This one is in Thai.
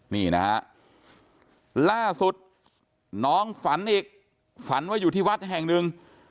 นี่นะฮะล่าสุดน้องฝันอีกฝันว่าอยู่ที่วัดแห่งหนึ่ง